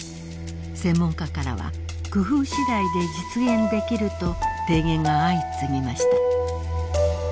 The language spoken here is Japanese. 専門家からは工夫次第で実現できると提言が相次ぎました。